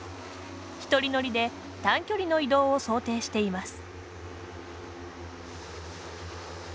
１人乗りで、短距離の移動を想定しています。